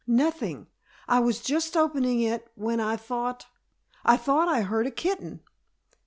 "Nothing. I was just opening it when I thought I thought I heard a kitten.